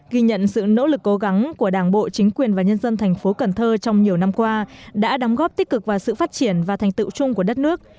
ghi nhận sự nỗ lực cố gắng của đảng bộ chính quyền và nhân dân thành phố cần thơ trong nhiều năm qua đã đóng góp tích cực vào sự phát triển và thành tựu chung của đất nước